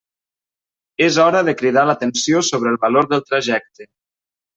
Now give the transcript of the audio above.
És hora de cridar l'atenció sobre el valor del trajecte.